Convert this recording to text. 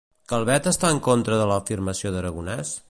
Calvet està en contra de l'afirmació d'Aragonès?